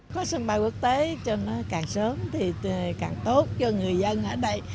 có sân bay quốc tế cho nó càng sớm thì càng tốt cho người dân ở đây